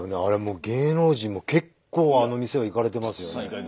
あれもう芸能人も結構あの店は行かれてますよね。